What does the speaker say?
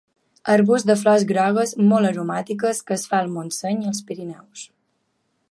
Arbust de flors grogues, molt aromàtiques, que es fa al Montseny i als Pirineus.